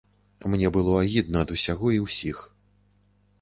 Мне было агідна ад усяго і ўсіх.